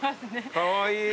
かわいい。